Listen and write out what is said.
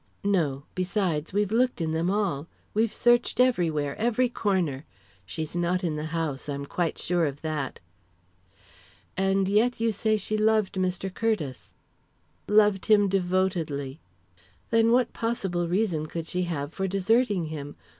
"No; besides, we've looked in them all. We've searched everywhere every corner. She's not in the house I'm quite sure of that." "And yet you say she loved Mr. Curtiss?" "Loved him devotedly." "Then what possible reason could she have for deserting him?